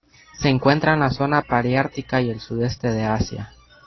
Se encuentra en la zona paleártica y el Sudeste de Asia.